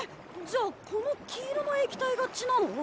じゃあこの黄色の液体が血なの？